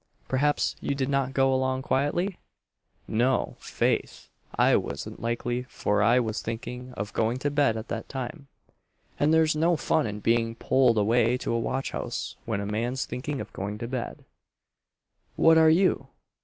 "Perhaps you did not go along quietly?" "No, 'faith, I wasn't likely, for I was thinking of going to bed at that time; and there's no fun in being pulled away to a watch house when a man's thinking of going to bed." "What are you?